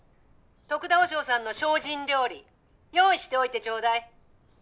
得田和尚さんの精進料理用意しておいてちょうだい。